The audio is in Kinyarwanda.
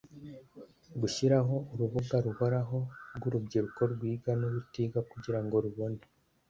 Gushyiraho urubuga ruhoraho rw urubyiruko rwiga n urutiga kugira ngo rubone